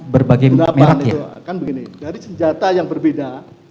dari senjata yang berbeda